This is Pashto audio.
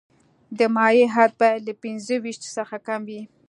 د مایع حد باید له پنځه ویشت څخه کم وي